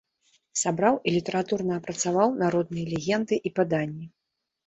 Сабраў і літаратурна апрацаваў народныя легенды і паданні.